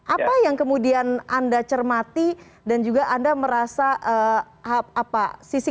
apa yang kemudian anda cermati dan juga anda merasa apa sisi